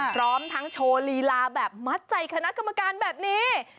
พร้อมทั้งโชว์ลีลาแบบมัดใจคณะกรรมการแบบนี้